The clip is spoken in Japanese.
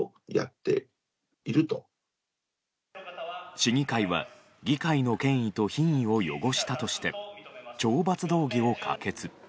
市議会は議会の権威と品位を汚したとして懲罰動議を可決。